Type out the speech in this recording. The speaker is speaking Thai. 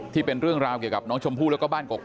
ที่เป็นเรื่องราวเกี่ยวกับน้องชมพู่แล้วก็บ้านกก